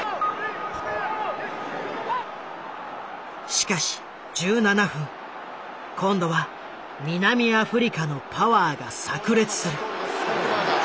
しかし１７分今度は南アフリカのパワーがさく裂する。